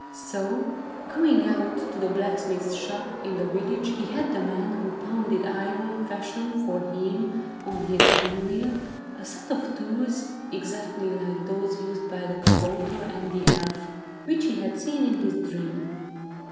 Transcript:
So, going out to the blacksmith's shop, in the village, he had the man who pounded iron fashion for him on his anvil, a set of tools, exactly like those used by the kabouter and the elf, which he had seen in his dream.